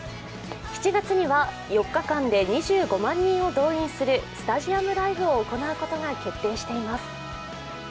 ７月には４日間で２５万人を動員するスタジアムライブを行うことが決定しています。